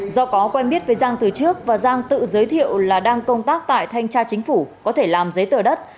do có quen biết với giang từ trước và giang tự giới thiệu là đang công tác tại thanh tra chính phủ có thể làm giấy tờ đất